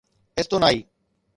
ايستونائي